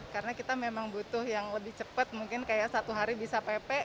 karena kita memang butuh yang lebih cepat mungkin kayak satu hari bisa pepek